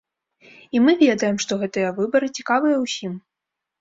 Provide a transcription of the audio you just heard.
І мы ведаем, што гэтыя выбары цікавыя ўсім.